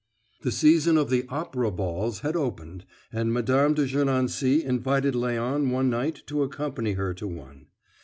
The season of the Opera Balls had opened, and Mme. de Gernancé invited Léon one night to accompany her to one.